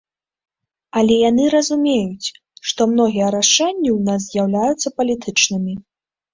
Але яны разумеюць, што многія рашэнні ў нас з'яўляюцца палітычнымі.